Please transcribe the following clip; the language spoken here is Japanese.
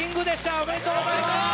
おめでとうございます！